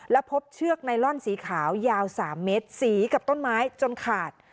แล้วพบเชือกไนลอนสีขาวยาว๓เมตรสีกับต้นไม้จนขาด